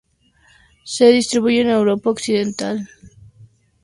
Se distribuye por Europa occidental.